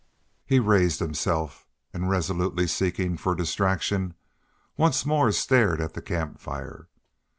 He raised himself and, resolutely seeking for distraction, once more stared at the camp fire.